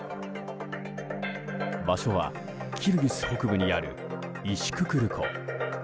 場所はキルギス北部にあるイシククル湖。